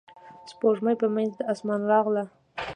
سپوږمۍ په منځ د اسمان راغله.